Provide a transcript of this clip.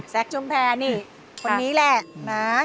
แซ็กชุมแพลนี่คนนี้แหละนะ